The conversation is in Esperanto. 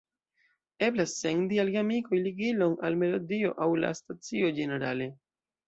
Eblas sendi al geamikoj ligilon al melodio aŭ la stacio ĝenerale.